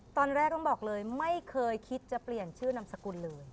ตอนแรกต้องบอกเลยไม่เคยคิดจะเปลี่ยนชื่อนามสกุลเลย